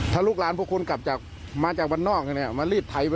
ถ้าลูกหลานพวกคุณกลับจากมาจากบ้านนอกเนี่ยมารีดไทยไป